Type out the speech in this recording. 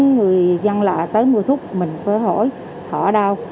người dân là tới mua thuốc mình phải hỏi họ ở đâu